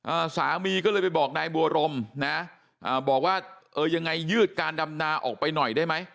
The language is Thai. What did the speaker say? อ่าสามีก็เลยไปบอกนายบัวรมนะอ่าบอกว่าเออยังไงยืดการดำนาออกไปหน่อยได้ไหม